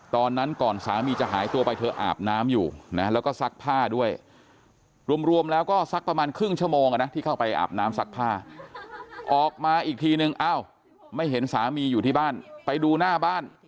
ตอนนั้นก่อนสามีจะหายตัวไปเธออาบน้ำอยู่แล้วก็ซักผ้าด้วย